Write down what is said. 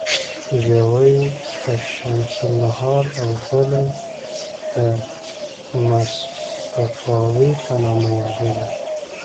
یوه یې د شمس النهار او بله یې د مصطفاوي په نامه یادیده.